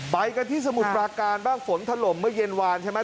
ไปกันที่สมุทรปราการบ้างฝนถล่มเมื่อเย็นวานใช่ไหม